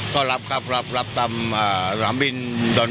พี่อาจจะตอบภัยไปก่อน